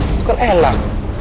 itu kan enak